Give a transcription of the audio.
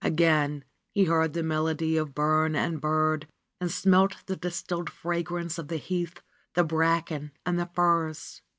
Again he heard the melody of burn and bird and smelt the distilled fragrance of the heath, the bracken and the firs.